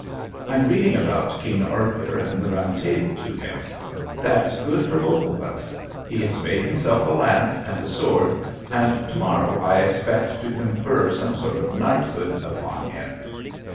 I'm reading about King Arthur and the round table to him; that's good for both of us. He has made himself a lance and a sword and to morrow I expect to confer some sort of knighthood upon him.